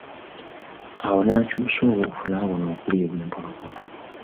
Awo n'akyusa obuufu n'awona okuliibwa empologoma.